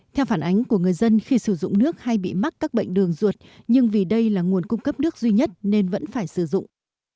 theo phản ánh của người dân khi sử dụng nước hay bị mắc các bệnh đường ruột nhưng vì đây là nguồn cung cấp nước duy nhất nên vẫn phải sử dụng